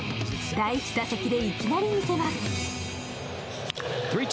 第１打席でいきなり見せます。